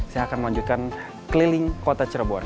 saya akan melanjutkan keliling kota cirebon